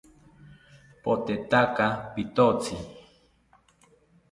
Potetaka pitotzi